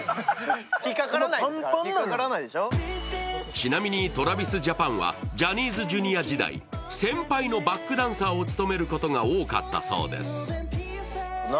ちなみにＴｒａｖｉｓＪａｐａｎはジャニーズＪｒ．時代、先輩のバックダンサーを務めることが多かったそうです。ホンマ？